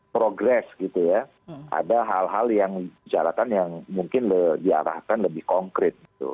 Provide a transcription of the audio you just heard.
progres gitu ya ada hal hal yang dibicarakan yang mungkin diarahkan lebih konkret gitu